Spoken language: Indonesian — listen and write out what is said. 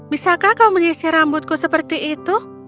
bisakah kau mengisi rambutku seperti itu